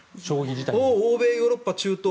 欧米、ヨーロッパ、中東。